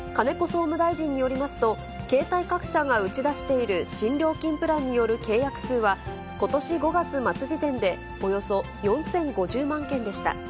総務大臣によりますと、携帯各社が打ち出している新料金プランによる契約数は、ことし５月末時点で、およそ４０５０万件でした。